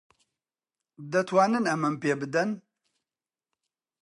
دەتوانن ئەمەم پێ بدەن؟